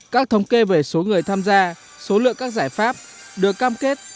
các thống kê về số người tham gia số lượng các giải pháp được cam kết